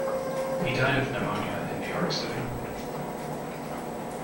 He died of pneumonia in New York City.